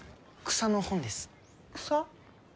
草！？